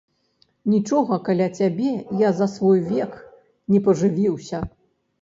Нічога каля цябе я за свой век не пажывіўся!